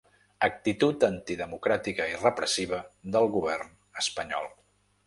Actitud antidemocràtica i repressiva del govern espanyol